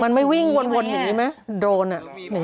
มันไม่วิ่งวนอย่างนี้ไหมโดรน